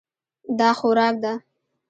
دا خوراک ده.